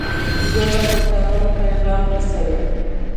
ژبه د قانون پیغام رسوي